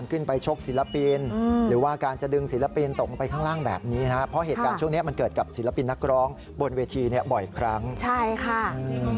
ลงไปข้างล่างแบบนี้นะครับเพราะเหตุการณ์ช่วงเนี้ยมันเกิดกับศิลปินนักร้องบนเวทีเนี้ยบ่อยครั้งใช่ค่ะ